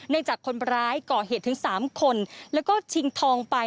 จากคนร้ายก่อเหตุถึง๓คนแล้วก็ชิงทองไป